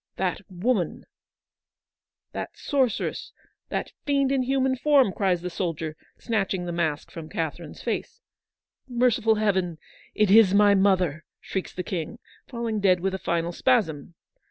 'That woman — that sorceress — that fiend in human form !' cries the soldier, snatching the mask from Catherine's face. —' Merciful Heaven, it is my mother !' shrieks the King, falling dead with a final spasm.